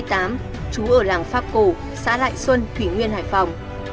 trú ở làng pháp cổ xã lại xuân thủy nguyên hải phòng